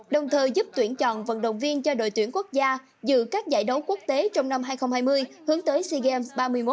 đồng thời giúp tuyển chọn vận động viên cho đội tuyển quốc gia dự các giải đấu quốc tế trong năm hai nghìn hai mươi hướng tới sea games ba mươi một